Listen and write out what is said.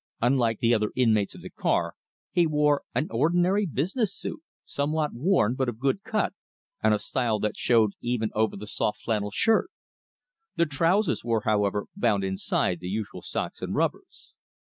Unlike the other inmates of the car, he wore an ordinary business suit, somewhat worn, but of good cut, and a style that showed even over the soft flannel shirt. The trousers were, however, bound inside the usual socks and rubbers.